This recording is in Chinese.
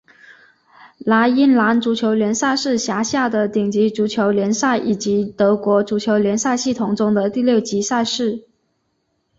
莱茵兰足球联赛是辖下的顶级足球联赛以及德国足球联赛系统中的第六级赛事。